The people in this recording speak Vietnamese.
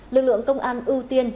lực lượng công an ưu tiên